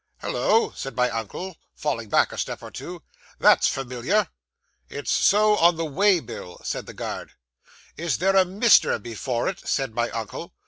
'"Hollo!" said my uncle, falling back a step or two. "That's familiar!" '"It's so on the way bill," said the guard. '"Isn't there a 'Mister' before it?" said my uncle.